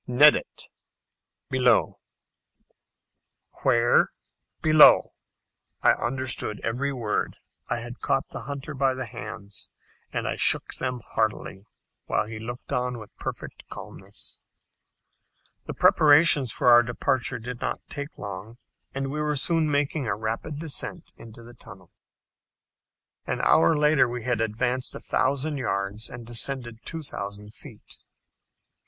"Nedat." ("Below.") "Where? below!" I understood every word. I had caught the hunter by the hands, and I shook them heartily, while he looked on with perfect calmness. The preparations for our departure did not take long, and we were soon making a rapid descent into the tunnel. An hour later we had advanced a thousand yards, and descended two thousand feet.